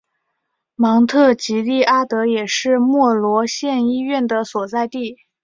芒特吉利阿德也是莫罗县医院的所在地。